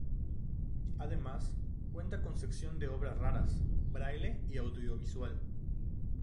Además cuenta con sección de obras raras, braille, y audiovisual.